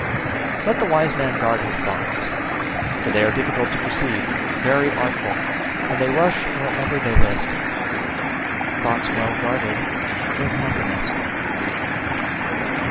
36. Let the wise man guard his thoughts, for they are difficult to perceive, very artful, and they rush wherever they list: thoughts well guarded bring happiness.